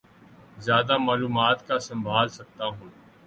زیادہ معلومات کا سنبھال سکتا ہوں